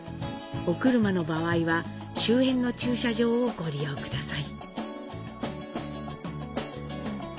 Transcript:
お車の場合は、周辺の駐車場をご利用ください。